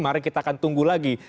mari kita akan tunggu lagi